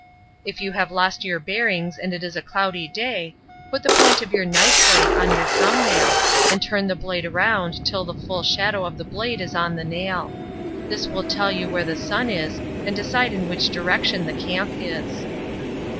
If you have lost your bearings and it is a cloudy day, put the point of your knife blade on your thumb nail, and turn the blade around until the full shadow of the blade is on the nail. This will tell you where the sun is, and decide in which direction the camp is.